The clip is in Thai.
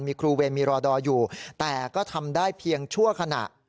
มีครูเวรมีรอดออยู่แต่ก็ทำได้เพียงชั่วขณะ